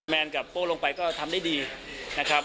แนนกับโป้ลงไปก็ทำได้ดีนะครับ